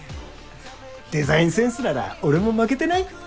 デザインセンスなら俺も負けてない？